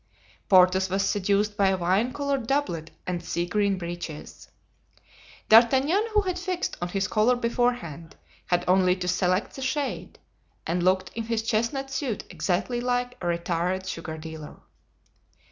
Porthos was seduced by a wine colored doublet and sea green breeches. D'Artagnan, who had fixed on his color beforehand, had only to select the shade, and looked in his chestnut suit exactly like a retired sugar dealer.